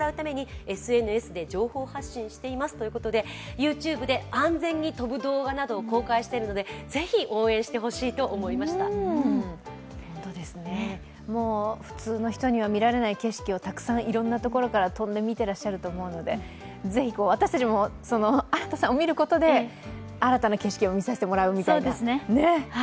ＹｏｕＴｕｂｅで安全に飛ぶ動画などを公開しているので、ぜひ、応援してほしいと思いました普通の人には見られない景色を、たくさんいろんなところから飛んで見てらっしゃると思うのでぜひ、私たちも荒田さんを見ることで新たな景色を見させてもらうみたいな。